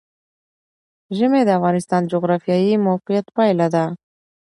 ژمی د افغانستان د جغرافیایي موقیعت پایله ده.